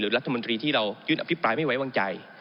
รัฐมนตรีที่เรายื่นอภิปรายไม่ไว้วางใจ